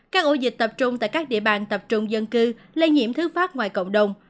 các ổ dịch tập trung tại các địa bàn tập trung dân cư lây nhiễm thứ phát ngoài cộng đồng